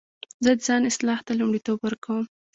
زه د ځان اصلاح ته لومړیتوب ورکوم.